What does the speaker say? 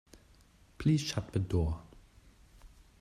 Please shut the door.